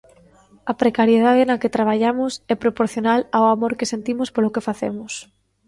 A precariedade na que traballamos é proporcional ao amor que sentimos polo que facemos.